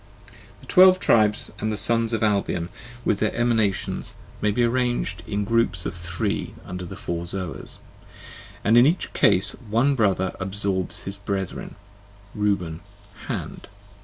The Twelve Tribes and the Sons of Albion, with their Eman xu ations, may be arranged in groups of three under the Four Zoas: and in each case one brother absorbs his brethren (Reuben: Hand).